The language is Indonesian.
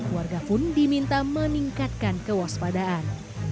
warga pun diminta meningkatkan kewaspadaan